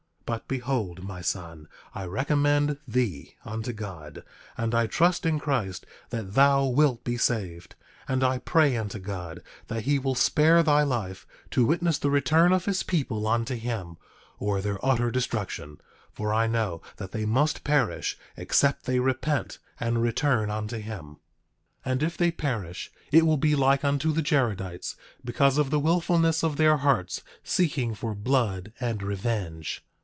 9:22 But behold, my son, I recommend thee unto God, and I trust in Christ that thou wilt be saved; and I pray unto God that he will spare thy life, to witness the return of his people unto him, or their utter destruction; for I know that they must perish except they repent and return unto him. 9:23 And if they perish it will be like unto the Jaredites, because of the wilfulness of their hearts, seeking for blood and revenge.